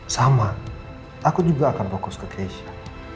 sama aku juga akan fokus ke cash